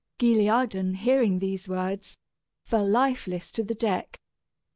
Guilliadun hearing these words, fell lifeless to the deck.